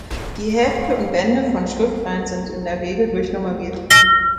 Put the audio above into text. Die Hefte und Bände von Schriftenreihen sind in der Regel durchnummeriert.